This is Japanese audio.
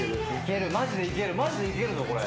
マジでいけるぞこれ。